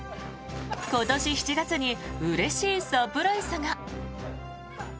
今年７月にうれしいサプライズが。